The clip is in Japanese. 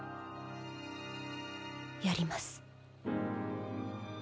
やります。